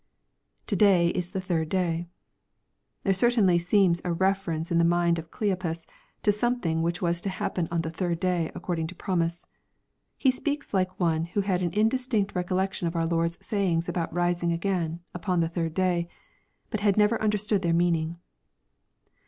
[To day is the third day.] There certainly seems a reference in the mind of Cleopas to something which was to happen on the " tliird day," according to promise. He speaks like one who had an indistinct recollection of our Lord's sayings about rising again, upon tlie third day, but had never understood their meaning.